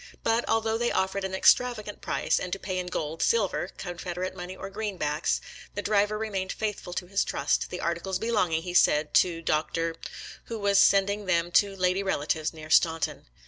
But, although they offered an extravagant price, and to pay in gold, silver. Confederate money, or greenbacks, the driver remained faithful to his trust — the articles be longing, he said, to Dr. , who was send ing them to lady relatives near Staunton.